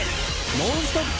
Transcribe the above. ノンストップ！